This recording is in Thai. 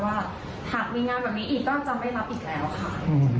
ว่าหากมีงานแบบนี้อีกก็จะไม่รับอีกแล้วค่ะ